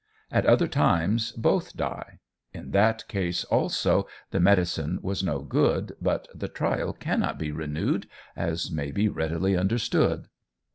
At other times both die; in that case also the medicine was no good, but the trial cannot be renewed, as may be readily understood.